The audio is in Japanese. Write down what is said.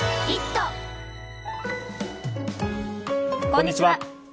こんにちは。